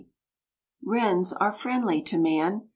Wrens are friendly to man.